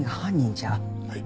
はい。